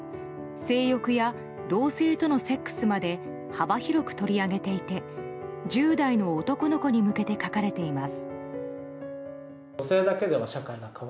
性欲や同性とのセックスまで幅広く取り上げていて１０代の男の子に向けて書かれています。